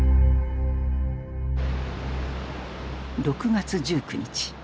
６月１９日。